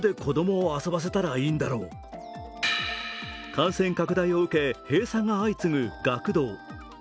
感染拡大を受け、閉鎖が相次ぐ学童。